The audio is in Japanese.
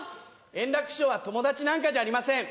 円楽師匠は友達なんかじゃありません。